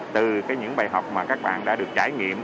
từ những bài học mà các bạn đã được trải nghiệm